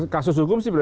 kasus hukum sih